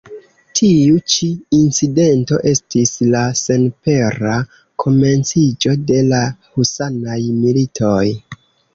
Tiu ĉi incidento estis la senpera komenciĝo de la husanaj militoj.